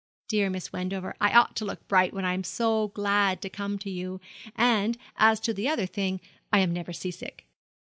'Dear Miss Wendover, I ought to look bright when I am so glad to come to you; and, as to the other thing, I am never sea sick.'